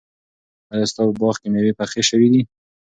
ایا ستا په باغ کې مېوې پخې شوي دي؟